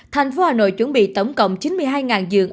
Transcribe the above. thành phố hà nội chuẩn bị tổng cộng chín mươi hai giường